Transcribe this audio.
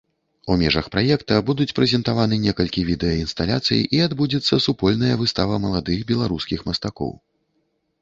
У межах праекта будуць прэзентаваны некалькі відэаінсталяцый і адбудзецца супольная выстава маладых беларускіх мастакоў.